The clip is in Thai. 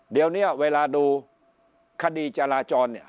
เดี๋ยวนี้เวลาดูคดีจราจรเนี่ย